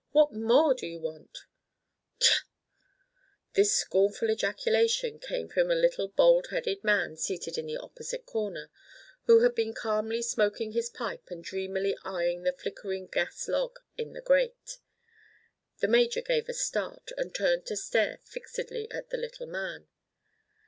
What more do you want?" "Tcha!" This scornful ejaculation came from a little bald headed man seated in the opposite corner, who had been calmly smoking his pipe and dreamily eyeing the flickering gas log in the grate. The major gave a start and turned to stare fixedly at the little man.